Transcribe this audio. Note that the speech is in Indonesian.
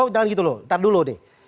jangan gitu loh ntar dulu nih